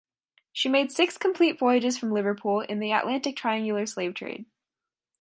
She made six complete voyages from Liverpool in the Atlantic triangular slave trade.